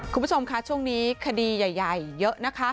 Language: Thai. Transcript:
คุณผู้ชมค่ะช่วงนี้คดีใหญ่เยอะนะคะ